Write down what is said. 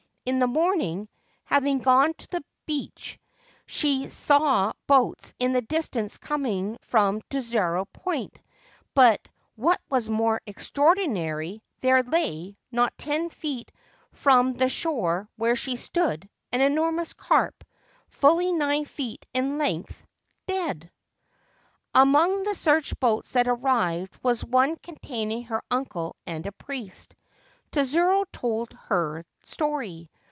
In the morning, having gone to the beach, she sa\ boats in the distance coming from Tsuzurao Point ; bu (what was more extraordinary) there lay, not ten feet fron the shore where she stood, an enormous carp, fully nin feet in length, dead ! 130 Chikubu Island, Lake Biwa Among the search boats that arrived was one contain ing her uncle and a priest. Tsuru told her story.